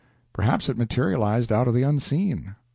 Perhaps it materialized out of the unseen.